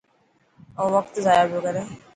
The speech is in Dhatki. او وقت ضايع پيو ڪري.